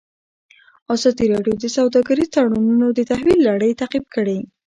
ازادي راډیو د سوداګریز تړونونه د تحول لړۍ تعقیب کړې.